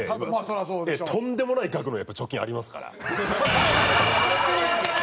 とんでもない額の貯金ありますから。